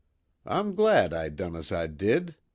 I'm glad I done as I did.